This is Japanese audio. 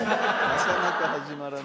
なかなか始まらない。